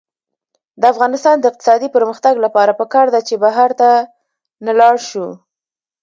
د افغانستان د اقتصادي پرمختګ لپاره پکار ده چې بهر ته نلاړ شو.